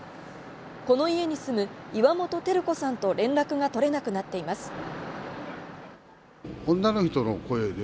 この家に住む岩本輝子さんと連絡が取れなくなっています